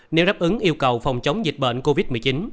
nếu đáp ứng yêu cầu phòng chống dịch bệnh covid một mươi chín